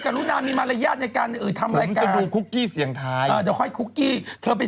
อ่ะลุนามีมารยาติในการเอ่ยทำรายการจะดูคุกกี้เสียงไทยอ่า